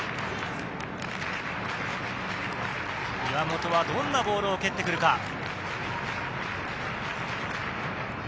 岩本はどんなボールを蹴ってくるか？